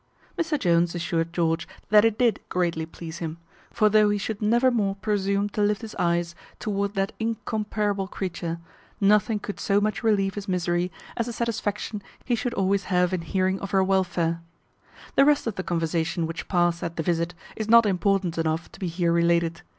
Mr Jones assured George that it did greatly please him; for though he should never more presume to lift his eyes toward that incomparable creature, nothing could so much relieve his misery as the satisfaction he should always have in hearing of her welfare. The rest of the conversation which passed at the visit is not important enough to be here related.